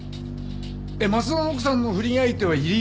松田の奥さんの不倫相手は入江か？